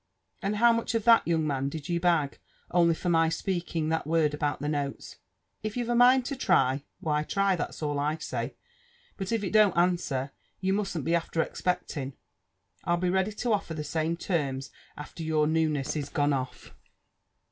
" And. how much of that^ young man, did you bag, only for my speaking tliat word about the notes? If youWe a mind to try, why try, that's all I say ; but if it don't answer, you mustn't be after expecting I'll be veody to offer the same terms after your newness is gone off."